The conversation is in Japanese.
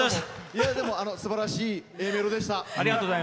でもすばらしいＡメロでした。